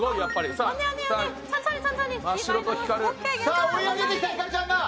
さあ追い上げてきたヒカルちゃんが。